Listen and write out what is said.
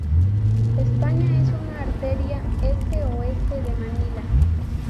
España es una arteria este-oeste de Manila.